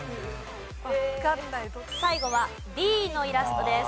最後はＤのイラストです。